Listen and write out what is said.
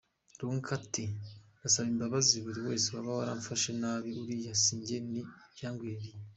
Lynka ati "Ndasaba imbabazi buri wese waba yamfashe nabi uriya sinjye ni ibyangwiririye.